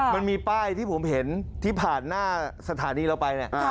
มันมีป้ายที่ผมเห็นที่ผ่านหน้าสถานีเราไปเนี่ย